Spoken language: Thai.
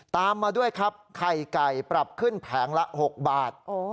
ตามมาด้วยครับไข่ไก่ปรับขึ้นแผงละ๖บาท